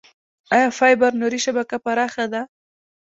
آیا فایبر نوري شبکه پراخه ده؟